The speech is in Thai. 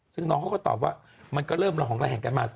ซึ่งน้องเขาก็ตอบว่ามันก็เริ่มละหองระแหงกันมา